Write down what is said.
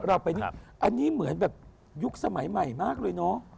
เราไปนี่อันนี้เหมือนแบบยุคสมัยใหม่มากเลยเนอะ